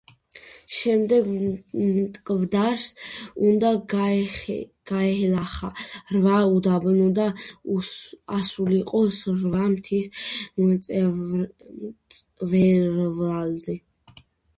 შემდეგ მკვდარს უნდა გადაელახა რვა უდაბნო და ასულიყო რვა მთის მწვერვალზე.